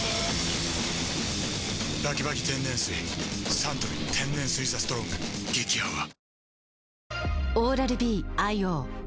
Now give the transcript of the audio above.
サントリー天然水「ＴＨＥＳＴＲＯＮＧ」激泡ああ